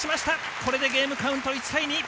これでゲームカウント１対２。